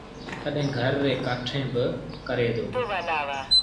تڏهيݩ گھر ريٚݩ ڪآٺيٚن با ڪري دو